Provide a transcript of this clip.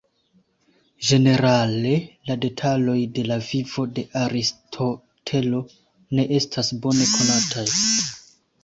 Ĝenerale, la detaloj de la vivo de Aristotelo ne estas bone konataj.